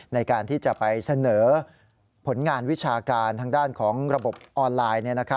ในการที่จะไปเสนอผลงานวิชาการทางด้านของระบบออนไลน์